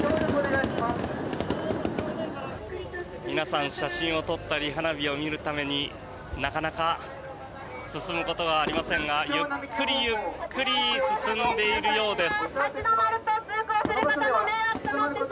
皆さん写真を撮ったり花火を見るためになかなか進むことはありませんがゆっくりゆっくり進んでいるようです。